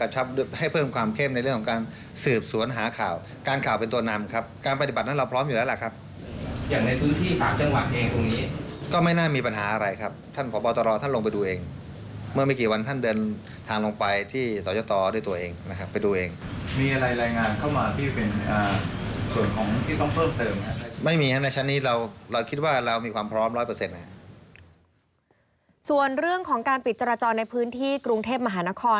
ส่วนเรื่องของการปิดจราจรในพื้นที่กรุงเทพมหานคร